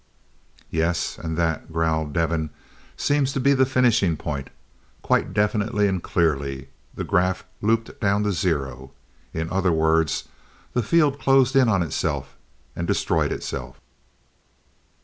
"Yes, and that," growled Devin, "seems to be the finishing point. Quite definitely and clearly, the graph looped down to zero. In other words, the field closed in on itself, and destroyed itself."